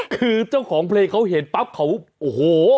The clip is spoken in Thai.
คือเจ้าของเพลงเขาเห็นปั๊บเขาโอ้โห